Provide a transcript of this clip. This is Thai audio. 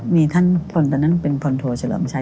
มีท่านพนตร์ตอนนั้นเป็นพนตร์ทัวร์เฉลิมชัย